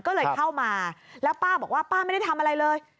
ก็เลยเข้ามาแล้วป้าบอกว่าป้าไม่ได้ทำอะไรเลย